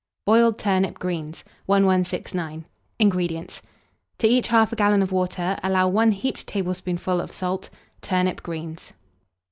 BOILED TURNIP GREENS. 1169. INGREDIENTS. To each 1/2 gallon of water, allow 1 heaped tablespoonful of salt; turnip greens.